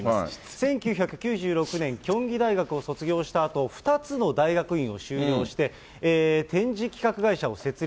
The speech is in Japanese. １９９６年、キョンギ大学を卒業したあと、２つの大学院を修了して、展示企画会社を設立。